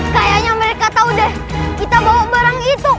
kayaknya mereka tahu deh kita bawa barang itu